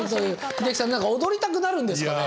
英樹さん何か踊りたくなるんですかね。